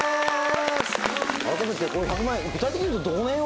改めてこの１００万円具体的に言うと。